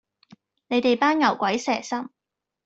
你哋班牛鬼蛇神